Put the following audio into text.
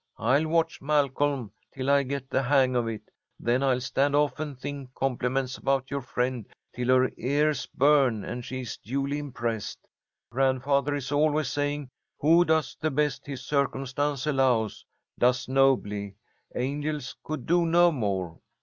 I'll watch Malcolm till I get the hang of it, then I'll stand off and think compliments about your friend till her ears burn and she is duly impressed. Grandfather is always saying, 'Who does the best his circumstance allows, does nobly. Angels could do no more.'"